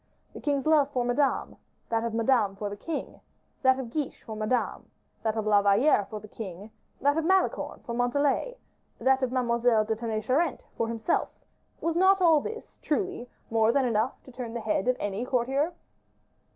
The king's love for Madame, that of Madame for the king, that of Guiche for Madame, that of La Valliere for the king, that of Malicorne for Montalais, that of Mademoiselle de Tonnay Charente for himself, was not all this, truly, more than enough to turn the head of any courtier?